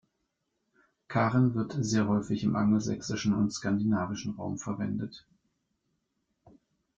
Karen wird sehr häufig im angelsächsischen und skandinavischen Raum verwendet.